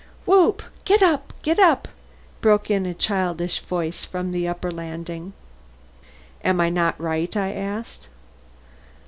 "Whoop! get up! get up!" broke in a childish voice from the upper landing. "Am I not right?" I asked.